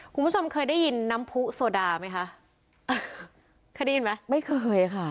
คุณผู้ชมเคยได้ยินน้ำผู้โซดาไหมคะเคยได้ยินไหมไม่เคยค่ะ